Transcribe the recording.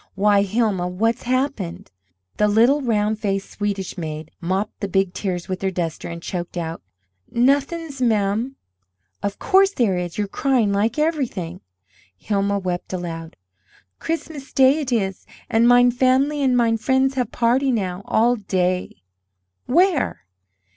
"Why, Hilma, what's happened?" The little round faced Swedish maid mopped the big tears with her duster, and choked out: "Nothings, ma'am!" "Of course there is! You're crying like everything." Hilma wept aloud. "Christmas Day it is, and mine family and mine friends have party, now, all day." "Where?"